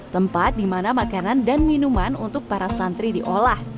tempat dimana makanan dan minuman untuk para santri diolah